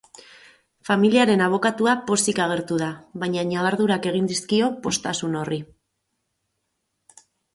Familiaren abokatua pozik agertu da, baina ñabardurak egin dizkio poztasun horri.